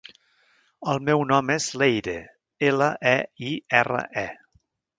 El meu nom és Leire: ela, e, i, erra, e.